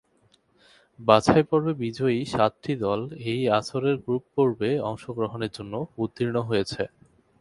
বাছাইপর্বে বিজয়ী সাতটি দল এই আসরের গ্রুপ পর্বে অংশগ্রহণের জন্য উত্তীর্ণ হয়েছে।